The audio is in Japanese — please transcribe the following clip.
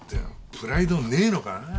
プライドねえのかね。